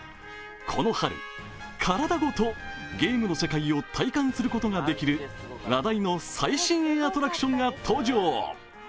この春、体ごとゲームの世界を体感することができる話題の最新鋭アトラクションが登場。